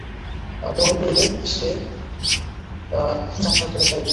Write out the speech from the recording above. বড় হইলে সে যাত্রার দলে যাইবেই।